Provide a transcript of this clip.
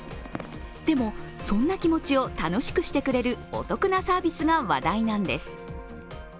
でも、そんな気持ちを楽しくしてくれるお得なサービスが話題なんです。